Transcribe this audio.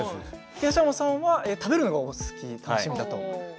東山さんは食べるのが好きだと。